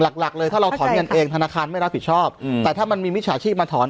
หลักหลักเลยถ้าเราถอนเงินเองธนาคารไม่รับผิดชอบแต่ถ้ามันมีมิจฉาชีพมาถอน